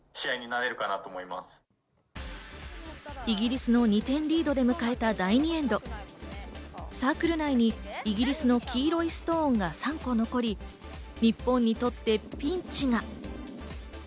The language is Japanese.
イギリスの２点リードで迎えた第２エンド、サークル内にイギリスの黄色いストーンが３個残り日本にとってピンチが。